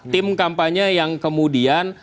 tim kampanye yang kemudian